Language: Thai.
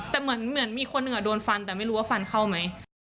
แต่เหมือนมีคนหนึ่งโดนฟันแต่ไม่รู้ว่าฟันเข้าไหม